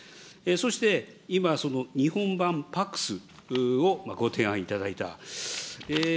そして今、日本版パクスをご提案いただいた。